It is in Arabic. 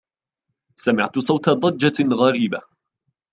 سمعت صوت ضجة غريبة.